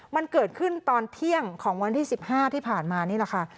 มันเกิดขึ้นตอนเที่ยงของวันที่๑๕ที่ผ่านมานี่แหละค่ะ